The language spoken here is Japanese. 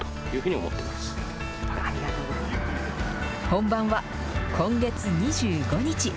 本番は今月２５日。